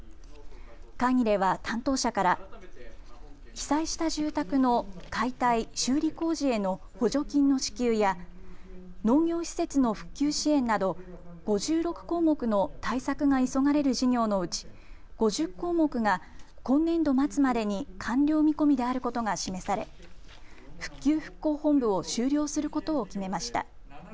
会議では担当者から被災した住宅の解体・修理工事への補助金の支給や農業施設の復旧支援など５６項目の対策が急がれる事業のうち５０項目が今年度末までに完了見込みであることが示され復旧・復興本部を終了することを決めました。